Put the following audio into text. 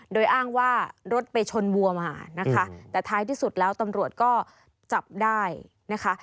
โดยอ้างว่ารถไปชนวัวมานะคะแต่ท้ายที่สุดแล้วตำรวจก็จับได้นะคะ